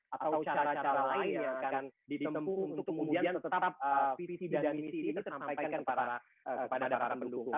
atau cara cara lain yang akan ditempu untuk kemudian tetap visi dan misi ini tersampaikan kepada para pendukung